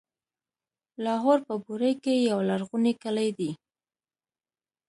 لاهور په بوري کې يو لرغونی کلی دی.